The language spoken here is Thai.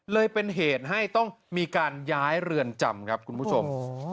เลยเป็นเหตุให้ต้องมีการย้ายเรือนจำครับคุณผู้ชม